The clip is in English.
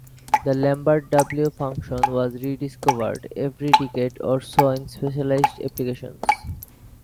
The Lambert W function was "re-discovered" every decade or so in specialized applications.